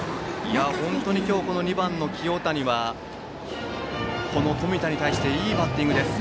本当に今日は２番の清谷が冨田に対していいバッティング。